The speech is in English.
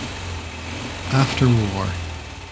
After war.